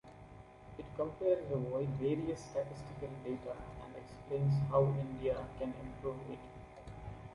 It compares the various statistical data and explains how India can improve it.